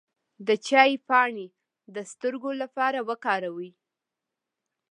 د چای پاڼې د سترګو لپاره وکاروئ